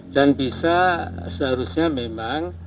dan bisa seharusnya memang